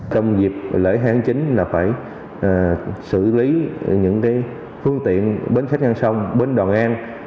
công dịp lễ hai tháng chín là phải xử lý những phương tiện bến khách ngang sông bến đò ngang